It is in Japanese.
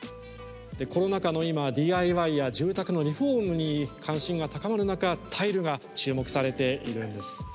コロナ禍の今、ＤＩＹや住宅のリフォームに関心が高まる中タイルが注目されているんです。